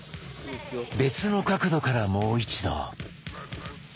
別の角度からもう一度。